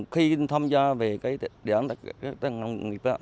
khi tham gia về cái đề án tất cả các nông nghiệp